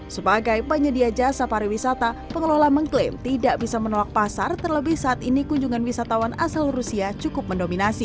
sebagai penyedia jasa pariwisata pengelola mengklaim tidak bisa menolak pasar terlebih saat ini kunjungan wisatawan asal rusia cukup mendominasi